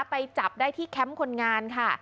ไปจับได้ที่แคมป์คนงานค่ะ